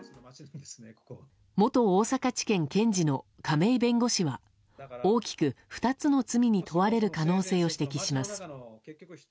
元大阪地検検事の亀井弁護士は大きく２つの罪に問われる可能性を指摘します。